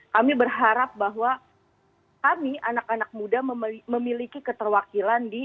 kami berharap bahwa kami anak anak muda memiliki keterwakilan di